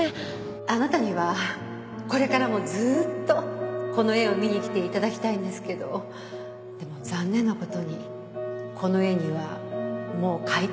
あなたにはこれからもずっとこの絵を見にきていただきたいんですけどでも残念な事にこの絵にはもう買い手が付いてるんです。